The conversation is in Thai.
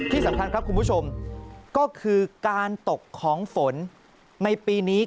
ที่สำคัญครับคุณผู้ชมก็คือการตกของฝนในปีนี้